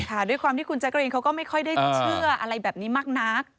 ด้วยความที่คุณแจ๊กรีนเขาก็ไม่ค่อยได้เชื่ออะไรแบบนี้มากนัก